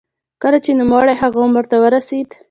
کله چې نوموړی هغه عمر ته ورسېد.